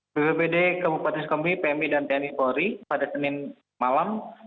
bppd kabupaten sukabumi pmi dan tni polri pada senin malam